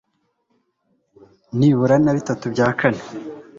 nibura na bitatu bya kane